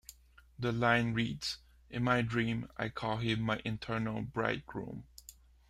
The line reads, In my dreams I call him my infernal bridegroom.